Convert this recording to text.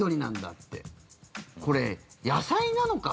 ってこれ野菜なのか？